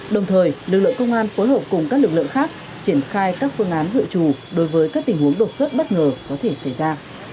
đồng thời lực lượng công an phối hợp cùng các lực lượng khác triển khai các phương án dự trù đối với các tình huống đột xuất bất ngờ có thể xảy ra